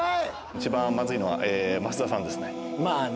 一番まずいのは増田さんですまあね。